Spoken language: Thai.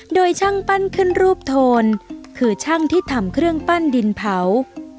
โดยช่างปั้นขึ้นรูปโทนคือช่างที่ทำเครื่องปั้นดินเผา